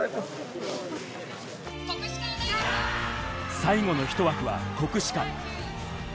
最後のひと枠は国士舘。